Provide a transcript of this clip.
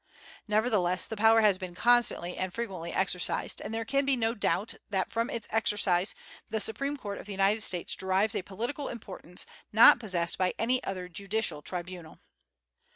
Nevertheless, the power has been constantly and frequently exercised; and there can be no doubt that from its exercise the Supreme Court of the United States derives a political importance not possessed by any other judicial tribunal.